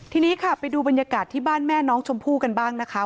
ทีนี้ค่ะไปดูบรรยากาศที่บ้านแม่น้องชมพู่กันบ้างนะคะ